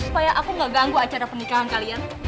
supaya aku nggak ganggu acara pernikahan kalian